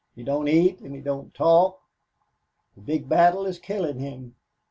He don't eat and he don't talk. The big battle is killin' him.